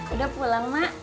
udah pulang mak